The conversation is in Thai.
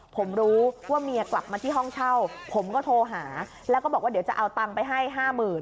ผมรู้ว่าเมียกลับมาที่ห้องเช่าผมก็โทรหาแล้วก็บอกว่าเดี๋ยวจะเอาตังค์ไปให้ห้าหมื่น